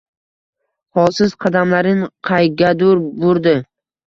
Holsiz qadamlarin qaygadir burdi.